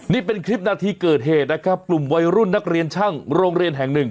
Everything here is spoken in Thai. นี่เป็นคลิปนาทีเกิดเหตุนะครับกลุ่มวัยรุ่นนักเรียนช่างโรงเรียนแห่งหนึ่ง